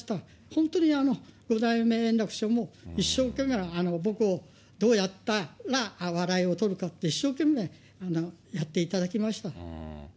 本当に五代目圓楽師匠も一生懸命、皆さん、一生懸命、僕をどうやったら笑いを取るかって、一生懸命やっていただきました。